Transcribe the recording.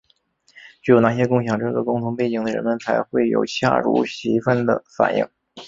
只有那些共享这个共同背景的人们才会有恰如其分的反应。